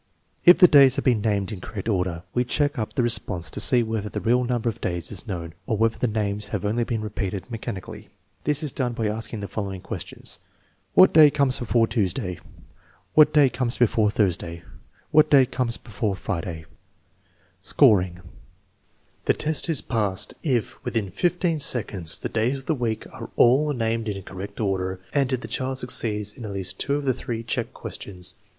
If the days have been named in correct order, we check up the response to see whether the real order of days is known or whether the names have only been repeated me chanically. This is done by asking the following questions: 1 For further discussion of drawing tests, see V, 1, and X, 3. 206 THE MEASUEEMENT OF INTELLIGENCE " What day comes before Tuesday ?"" What day comes before Thursday ?"" What day comes before Friday ?" Scoring. The test is passed if, within fifteen seconds, the days of the week are all named in correct order, and if the child succeeds in at least two of the three check questions.